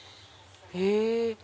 へぇ。